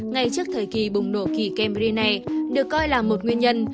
ngay trước thời kỳ bùng nổ kỳ camry này được coi là một nguyên nhân